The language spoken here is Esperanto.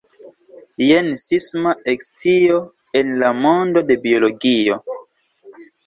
Jen sisma ekscio en la mondo de biologio.